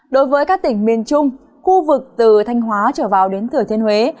đối với các tỉnh miền trung khu vực từ thanh hóa trở vào đến thừa thiên huế